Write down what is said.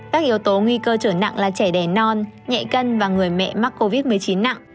các yếu tố nguy cơ trở nặng là trẻ đẻ non nhẹ cân và người mẹ mắc covid một mươi chín nặng